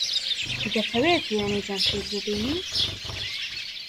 دەتەوێت وێنەی جەمشید ببینیت؟